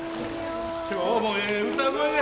今日もええ歌声やなあ。